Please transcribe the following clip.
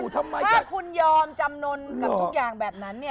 ถ้าคุณยอมจำนวนกับทุกอย่างแบบนั้นเนี่ย